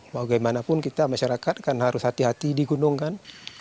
bagaimanapun kita masyarakat kan harus hati hati di gunung kan